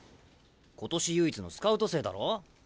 今年唯一のスカウト生だろ？